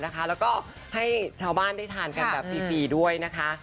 แล้วก็ให้ชาวบ้านได้ทานกันแบบฟรีด้วยนะคะ